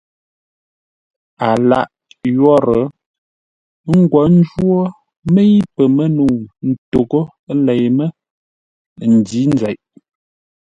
A lâʼ yórə́, ə́ ngwo ńjwó mə́i pəmə́nəu ntoghʼə́ lei mə́, ndǐ nzeʼ.